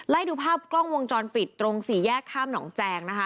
ดูภาพกล้องวงจรปิดตรงสี่แยกข้ามหนองแจงนะคะ